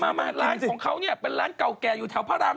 มาร้านของเขาเนี่ยเป็นร้านเก่าแก่อยู่แถวพระราม